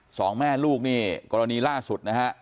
สองแม่ลูกนี่กรณีล่าสุดนะฮะ